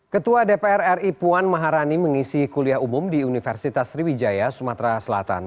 ketua dpr ri puan maharani mengisi kuliah umum di universitas sriwijaya sumatera selatan